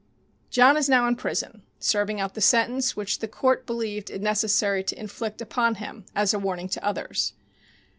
John is now in prison, serving out the sentence which the court believed it necessary to inflict upon him as a warning to others.